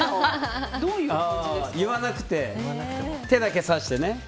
ああ、言わなくて手だけ指してね。